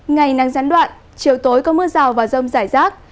ngày nắng gián đoạn chiều tối có mưa rào và rông rải rác